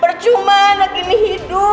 bercuma anak ini hidup